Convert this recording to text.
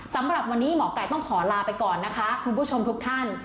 สำหรับวันนี้หมอไก่ต้องขอลาไปก่อนนะคะคุณผู้ชมทุกท่าน